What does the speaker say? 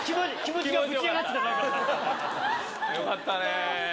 よかったね。